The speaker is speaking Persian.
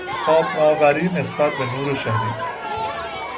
تاب ناوری نسبت به نور شدید